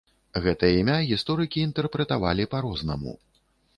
Гэта імя гісторыкі інтэрпрэтавалі па-рознаму.